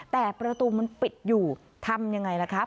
แต่ประตูมันปิดอยู่ทำอย่างไรล่ะคะ